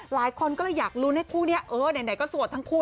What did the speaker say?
หลายคนก็อยากรู้ในคู่นี้ใดก็สวดทั้งคู่